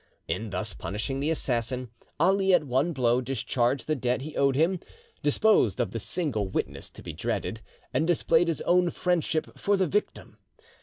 In thus punishing the assassin, Ali at one blow discharged the debt he owed him, disposed of the single witness to be dreaded, and displayed his own friendship for the victim!